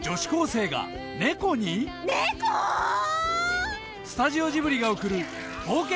猫⁉スタジオジブリが送る冒険